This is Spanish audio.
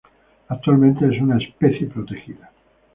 Actualmente es una especie protegida.